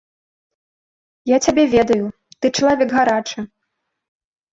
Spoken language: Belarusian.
Я цябе ведаю, ты чалавек гарачы.